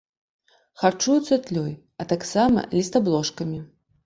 Харчуюцца тлёй, а таксама лістаблошкамі.